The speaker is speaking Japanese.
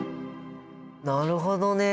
なるほどね！